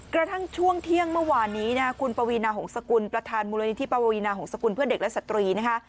กระทั่งช่วงเที่ยงเมื่อวานนี้นะคุณปวีนาหงษกุลประธานมูลนิธิปวีนาหงษกุลเพื่อเด็กและสตรีนะคะ